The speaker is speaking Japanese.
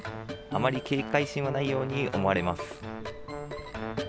あまり警戒心はないように思われます。